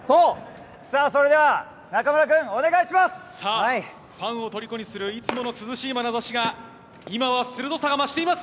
さあ、それでは中村君、お願いしさあ、ファンをとりこにするいつもの涼しいまなざしが、今は鋭さが増しています。